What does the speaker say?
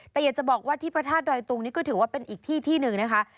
แต่อยากจะบอกว่าที่พระธาตุดอยตุงนี่ก็ถือว่าเป็นอีกที่ที่หนึ่งนะคะ